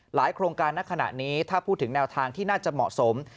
โครงการณขณะนี้ถ้าพูดถึงแนวทางที่น่าจะเหมาะสม